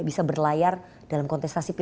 kita harus berkontestasi